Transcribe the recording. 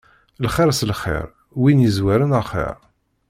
Lxir s lxir, win yezwaren axir.